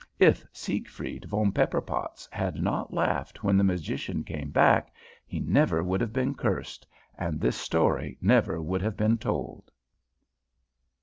"If Siegfried von Pepperpotz had not laughed when the magician came back, he never would have been cursed, and this story never would have been told."